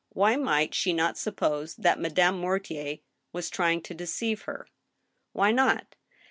Why might she not suppose that Madame Mortier was trying to deceive her ? Why not?